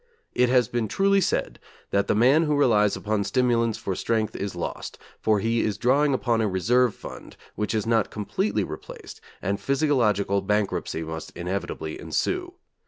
It has been truly said that the man who relies upon stimulants for strength is lost, for he is drawing upon a reserve fund, which is not completely replaced, and physiological bankruptcy must inevitably ensue.